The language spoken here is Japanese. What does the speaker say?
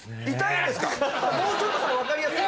もうちょっとそれ分かりやすい。